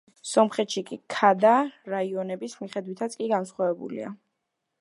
სომხეთში კი ქადა რაიონების მიხედვითაც კი განსხვავებულია.